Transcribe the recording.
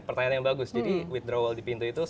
iya pertanyaan yang bagus jadi withdrawal di pintu itu bisa